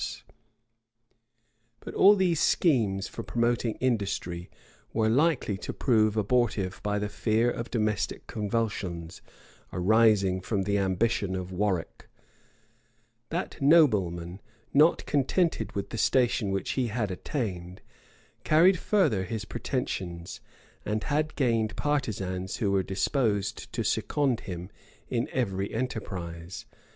vol. ii. p 295. Heylin p 109. But all these schemes for promoting industry were likely to prove abortive by the fear of domestic convulsions, arising from the ambition of Warwick. That nobleman, not contented with the station which he had attained, carried further his pretensions, and had gained partisans who were disposed to second him in every enterprise.